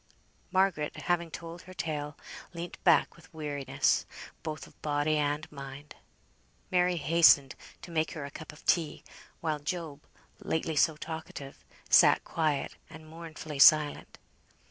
Margaret, having told her tale, leant back with weariness, both of body and mind. Mary hastened to make her a cup of tea; while Job, lately so talkative, sat quiet and mournfully silent.